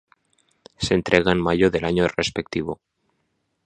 Se entrega en mayo del año respectivo.